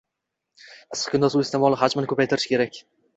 Issiq kunda suv iste`mol xajmini ko`paytirish kerak